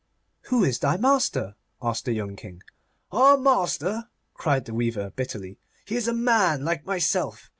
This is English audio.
'Who is thy master?' asked the young King. 'Our master!' cried the weaver, bitterly. 'He is a man like myself.